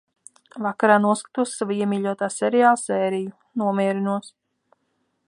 Vakarā noskatos sava iemīļotā seriāla sēriju. Nomierinos.